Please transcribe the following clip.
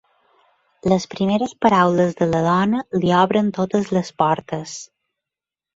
Les primeres paraules de la dona li obren totes les portes.